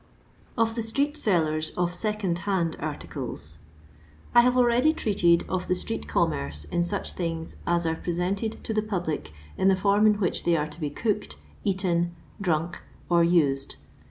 OF THE STREET SELLERS OF SECOND HAND ARTICLES. I BATi already treated of the street^ommerce in auch things as are presented to the public in the form in which they are to be cooked, eaten, drank, or used.